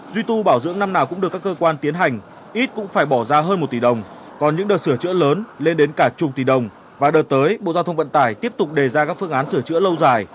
duy tu bảo dưỡng năm nào cũng được các cơ quan tiến hành ít cũng phải bỏ ra hơn một tỷ đồng còn những đợt sửa chữa lớn lên đến cả chục tỷ đồng và đợt tới bộ giao thông vận tải tiếp tục đề ra các phương án sửa chữa lâu dài